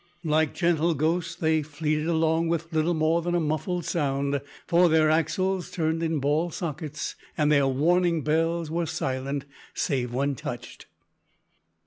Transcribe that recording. Like gentle ghosts they fleeted along with little more than a muffled sound, for their axles turned in ball sockets and their warning bells were silent save when touched.